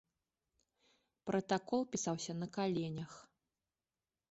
Пратакол пісаўся на каленях.